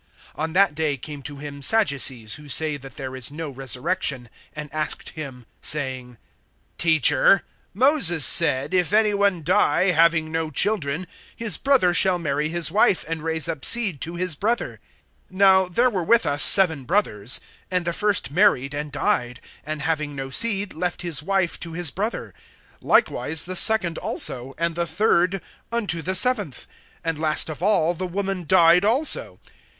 (23)On that day came to him Sadducees, who say that there is no resurrection, and asked him, (24)saying: Teacher, Moses said, If any one die having no children, his brother shall marry his wife, and raise up seed to his brother. (25)Now there were with us seven brothers; and the first married and died, and having no seed left his wife to his brother. (26)Likewise the second also, and the third, unto the seventh. (27)And last of all the woman died also.